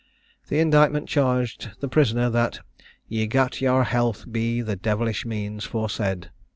The indictment charged the prisoner that 'ye gat yowr health be the develisch means foirsaid.'